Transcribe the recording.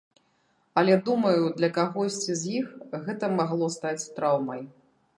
Але, думаю, для кагосьці з іх гэта магло стаць траўмай.